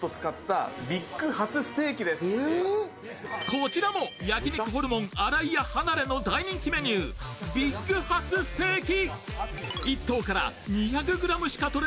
こちらも焼肉ホルモン新井屋はなれの大人気メニュー、ＢＩＧハツステーキ。